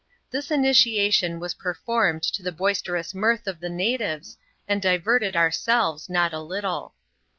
This initiation was per f<Mined to the boisterous mirth of the natives, and diverted ouraelYes not a little.